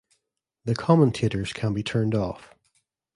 The commentators can be turned off.